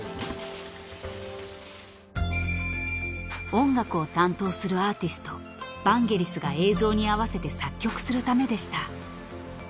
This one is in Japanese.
［音楽を担当するアーティストヴァンゲリスが映像に合わせて作曲するためでした］